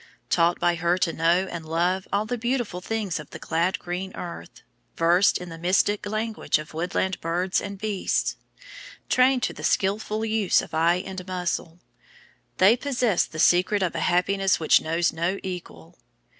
Taught by her to know and love all the beautiful things of the glad green earth; versed in the mystic language of woodland birds and beasts; trained to the skilful use of eye and muscle, they possess the secret of a happiness which knows no equal.